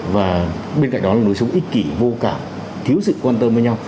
và bên cạnh đó là nối sống ích kỷ vô cảm thiếu sự quan tâm với nhau